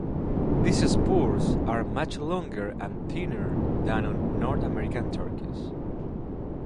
These spurs are much longer and thinner than on North American turkeys.